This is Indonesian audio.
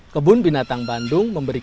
kebun binatang bandung memberikan